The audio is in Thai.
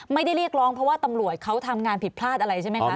เรียกร้องเพราะว่าตำรวจเขาทำงานผิดพลาดอะไรใช่ไหมคะ